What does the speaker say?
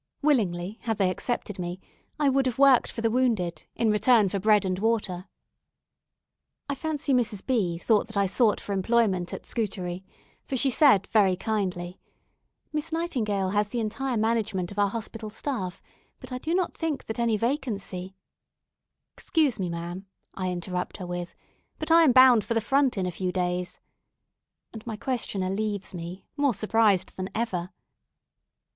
Willingly, had they accepted me, I would have worked for the wounded, in return for bread and water. I fancy Mrs. B thought that I sought for employment at Scutari, for she said, very kindly "Miss Nightingale has the entire management of our hospital staff, but I do not think that any vacancy " "Excuse me, ma'am," I interrupt her with, "but I am bound for the front in a few days;" and my questioner leaves me, more surprised than ever.